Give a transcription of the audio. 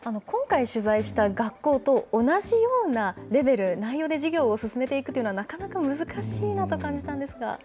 今回取材した学校と同じようなレベル、内容で授業を進めていくというのはなかなか難しいなと感じたんですが。